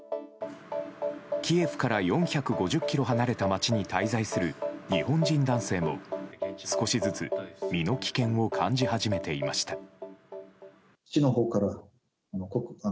キエフから４５０ｋｍ離れた町に滞在する日本人男性も、少しずつ身の危険を感じ始めていました。